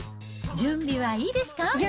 準備はいいですか？